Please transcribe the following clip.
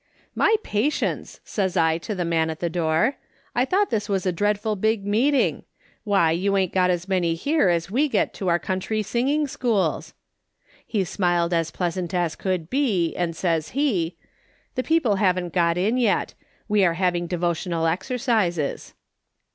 "' My patience !' says I to the man at the door, ' I thought this was a dreadful big meeting. Why, you ain't got as many here as we get out to our country singing schools.' He smiled as pleasant as could be, and says he :"' The people haven't got in yet ; we are having devotional exercises.'